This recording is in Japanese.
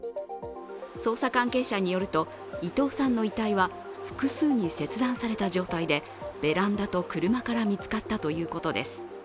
捜査関係者によると伊藤さんの遺体は複数に切断された状態でベランダと車から見つかったということです。